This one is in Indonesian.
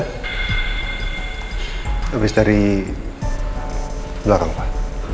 habis dari belakang pak